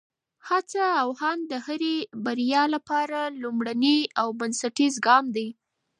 هڅه او هاند د هرې بریا لپاره لومړنی او بنسټیز ګام دی.